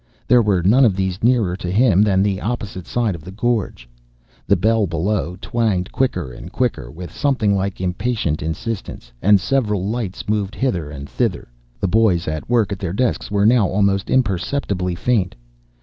There were none of these nearer to him than the opposite side of the gorge. The bell below twanged quicker and quicker, with something like impatient insistence, and several lights moved hither and thither. The boys at work at their desks were now almost imperceptibly faint.